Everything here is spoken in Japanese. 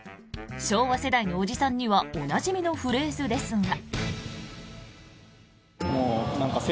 昭和世代のおじさんにはおなじみのフレーズですが。